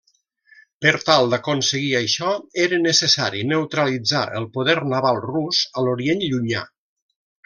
Per tal d'aconseguir això, era necessari neutralitzar el poder naval rus a l'Orient llunyà.